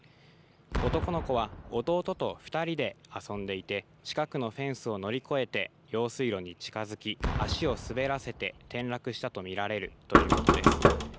男の子は弟と２人で遊んでいて、近くのフェンスを乗り越えて用水路に近づき、足を滑らせて転落したと見られるということです。